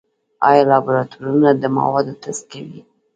آیا لابراتوارونه د موادو ټسټ کوي؟